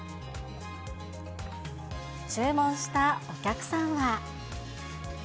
注文したお客さんは。